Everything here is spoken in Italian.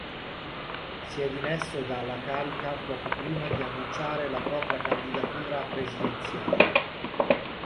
Si è dimesso dalla carica poco prima di annunciare la propria candidatura presidenziale.